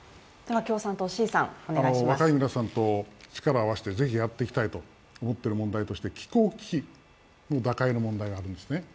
若い皆さんと力を合わせて、ぜひやっていきたいと思っている問題として気候危機の打開の問題があるんです。